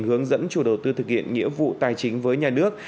hướng dẫn chủ đầu tư thực hiện nghĩa vụ tài chính với nhà nước